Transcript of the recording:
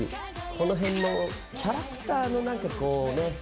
この辺のキャラクターのなんかこうね